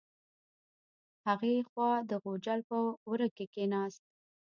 هغې خوا د غوجل په وره کې کیناست.